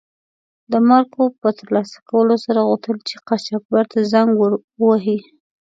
د مارکو په تر لاسه کولو سره غوښتل چې قاچاقبر ته زنګ و وهي.